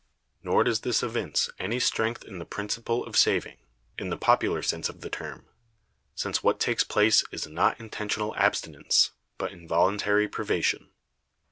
Nor does this evince any strength in the principle of saving, in the popular sense of the term, since what takes place is not intentional abstinence, but involuntary privation.